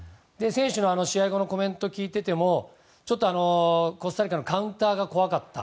選手の試合後のコメントを聞いていてもコスタリカのカウンターが怖かった。